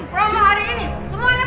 promo hari ini semuanya pak